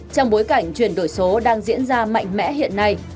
trong bối cảnh chuyển đổi số đang diễn ra mạnh mẽ hiện nay